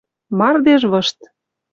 Мардеж вышт.